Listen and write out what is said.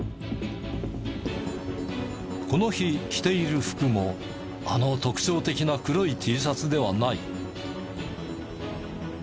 この日着ている服もあの特徴的な黒いＴシャツではない。